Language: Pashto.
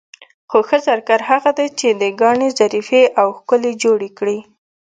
خو ښه زرګر هغه دی چې ګاڼې ظریفې او ښکلې جوړې کړي.